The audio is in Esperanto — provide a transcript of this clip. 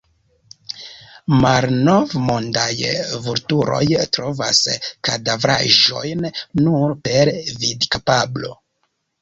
Malnovmondaj vulturoj trovas kadavraĵojn nur per vidkapablo.